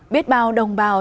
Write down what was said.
biết bao đồng bào